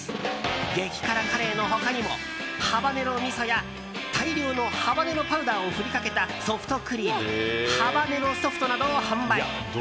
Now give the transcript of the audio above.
激辛カレーの他にもハバネロみそや大量のハバネロパウダーを振りかけたソフトクリームハバネロソフトなどを販売。